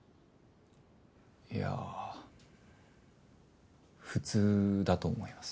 いや普通だと思います。